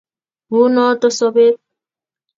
Uu noto sobet